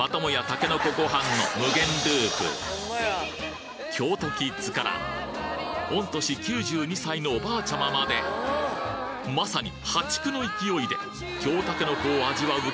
たけのこ御飯の京都キッズから御年９２歳のおばあちゃままでまさに破竹の勢いで京たけのこを味わう